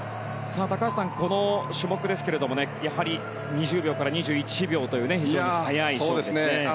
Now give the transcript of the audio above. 高橋さん、この種目やはり２０秒から２１秒という非常に速い勝負ですね。